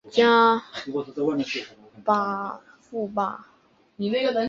翁赞人口变化图示